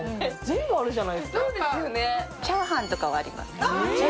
チャーハンとかはあります。